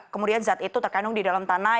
kemudian zat itu terkandung di dalam tanah